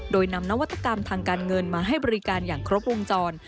โดยนำนวัตกรรมทางการเงินมาให้บริการอย่างครบวงจร